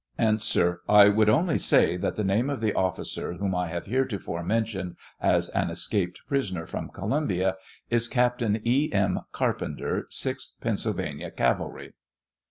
A. I would only say that the name of the officer, whom I have heretofore mentioned as an escaped pris oner from Columbia, is Captain B. M, Carpenter, 6th Pennsylvania cavalry.